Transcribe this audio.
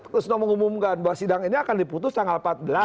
kusno mengumumkan bahwa sidang ini akan diputus tanggal empat belas